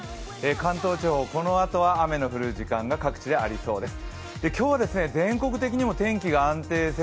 関東地方、このあとは雨の降る時間帯が各地でありそうです。